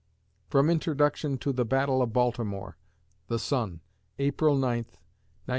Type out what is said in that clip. [From introduction to "The Battle of Baltimore," The Sun, April 9, 1911.